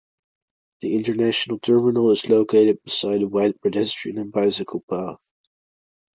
The International Terminal is located beside a wide pedestrian and bicycle path.